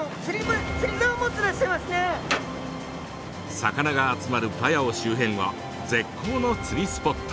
魚が集まるパヤオ周辺は絶好の釣りスポット。